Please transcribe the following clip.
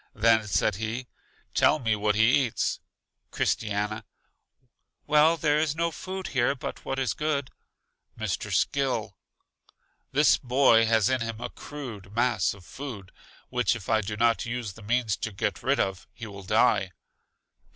Then said he: Tell me what he eats. Christiana: Well, there is no food here but what is good. Mr. Skill: This boy has in him a crude mass of food, which if I do not use the means to get rid of, he will die.